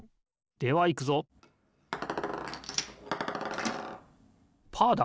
ではいくぞパーだ！